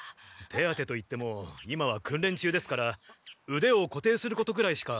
手当てといっても今はくんれん中ですからうでをこていすることくらいしか。